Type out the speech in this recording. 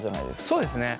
そうですね。